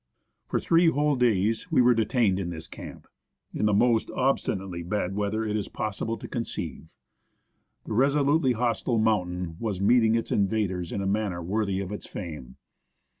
For three whole days we were detained in this camp, in the THE CAMP AFTER A SNOW STORM. most obstinately bad weather it is possible to conceive. The reso lutely hostile mountain was meeting its invaders in a manner worthy of its fame.